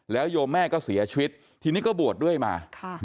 โยมแม่ก็เสียชีวิตทีนี้ก็บวชด้วยมา